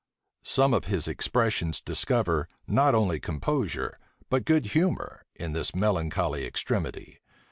Some of his expressions discover, not only composure, but good humor, in this melancholy extremity.